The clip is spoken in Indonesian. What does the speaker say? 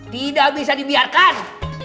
tidak bisa dibiarkan